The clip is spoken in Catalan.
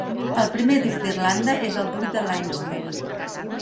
El primer duc d'Irlanda és el duc de Leinster.